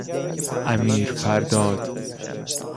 امیرفرداد